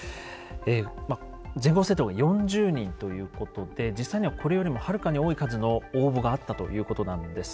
全校生徒が４０人ということで実際にはこれよりもはるかに多い数の応募があったということなんですね。